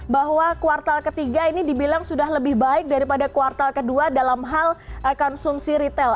bahwa kuartal ketiga ini dibilang sudah lebih baik daripada kuartal kedua dalam hal konsumsi retail